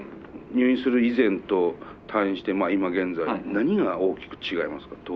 入院する以前と退院して今現在何が大きく違いますか？